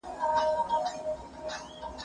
کتابونه د زده کوونکي له خوا وړل کيږي!!